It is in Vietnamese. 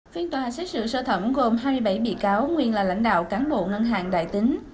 phiên tòa xét xử sơ thẩm gồm hai mươi bảy bị cáo nguyên là lãnh đạo cán bộ ngân hàng đại tín